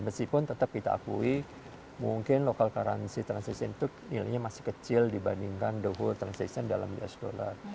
meskipun tetap kita akui mungkin local currency transition itu nilainya masih kecil dibandingkan the whole transaction dalam us dollar